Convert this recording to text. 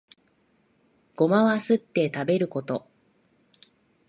ゴマはすって食べること